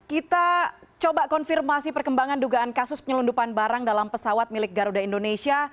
kita coba konfirmasi perkembangan dugaan kasus penyelundupan barang dalam pesawat milik garuda indonesia